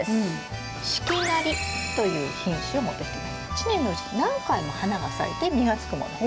１年のうちに何回も花が咲いて実がつくもの。